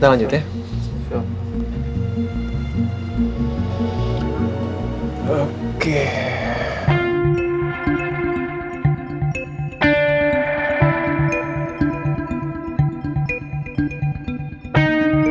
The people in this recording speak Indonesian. soal produk terbaru dari perusahaan kami